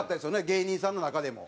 芸人さんの中でも。